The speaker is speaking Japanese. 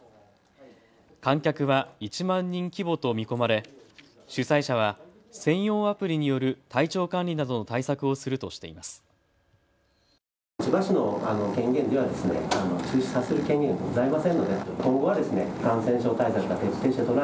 観客は１万人規模と見込まれ主催者は専用アプリによる体調管理などの対策をするとしています。